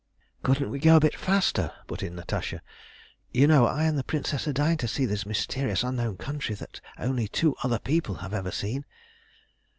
"Couldn't we go a bit faster?" put in Natasha. "You know I and the Princess are dying to see this mysterious unknown country that only two other people have ever seen."